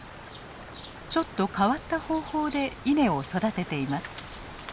ちょっと変わった方法で稲を育てています。